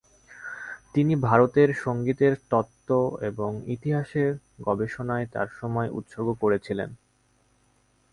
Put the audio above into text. তিনি ভারতীয় সংগীতের তত্ত্ব এবং ইতিহাসের গবেষণায় তার সময় উৎসর্গ করেছিলেন।